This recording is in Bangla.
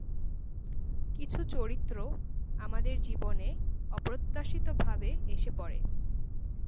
কিছু চরিত্র আমাদের জীবনে অপ্রত্যাশিতভাবে এসে পড়ে।